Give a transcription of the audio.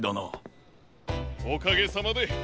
おかげさまで！